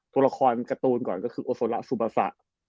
ตัวละครการ์ตูนก่อนก็คือโอโซละซูบาซะ